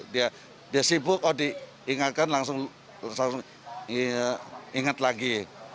dia sibuk oh diingatkan langsung ingat lagi